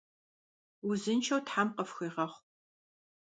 Узыншэу тхьэм къыфхуигъэхъу!